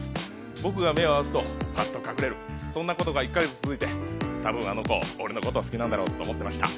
僕が目を合わせるとパッと隠れる、そんなことが１か月続いて多分あの子、俺のこと好きなんだろうって思ってました。